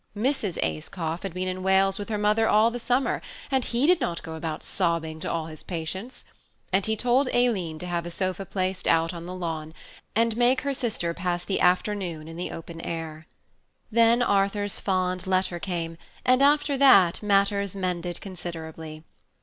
Mrs. Ayscough had been in Wales with her mother all the summer, and he did not go about sobbing to all his patients; and he told Aileen to have a sofa placed out on the lawn, and make her sister pass the afternoon in the open air. Then Arthur's fond letter came, and after that matters mended considerably.